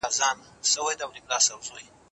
تاسو د خپل هیواد د خپلواکۍ ساتنه په نره وکړئ.